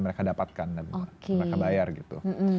mereka dapatkan dan mereka bayar gitu